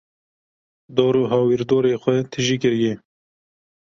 dor û hawirdorê xwe tijî kiriye.